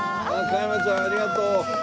加山ちゃんありがとう。